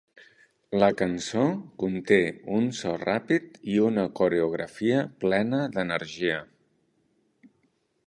La cançó conté un so ràpid i una coreografia plena d'energia.